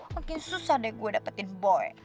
makin susah deh gue dapetin boy